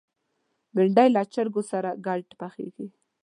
بېنډۍ له چرګو سره ګډ پخېږي